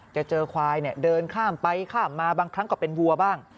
จะเจอควายเนี่ยเดินข้ามไปข้ามมาบางครั้งก็เป็นวัวบ้าง